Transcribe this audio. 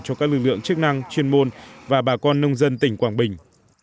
cho các lực lượng chức năng chuyên môn và bà con nông dân tỉnh quảng bình